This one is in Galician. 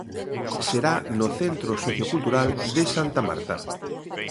Será no Centro Sociocultural de Santa Marta.